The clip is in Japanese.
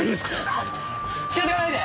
近づかないで！